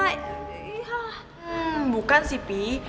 hmm bukan sih pih